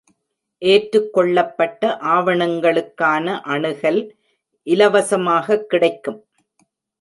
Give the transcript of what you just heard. ஏற்றுக்கொள்ளப்பட்ட ஆவணங்களுக்கான அணுகல் இலவசமாகக் கிடைக்கும்.